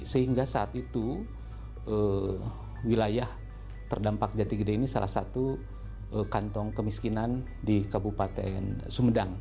sehingga saat itu wilayah terdampak jati gede ini salah satu kantong kemiskinan di kabupaten sumedang